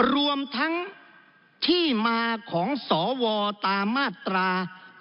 รวมทั้งที่มาของสวตามมาตรา